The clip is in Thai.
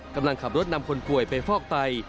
กำลังขับรถนำคนป่วยไปฟอกไต